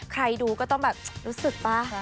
ใครดูก็ต้องแบบรู้สึกป่ะ